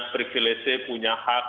privilese punya hak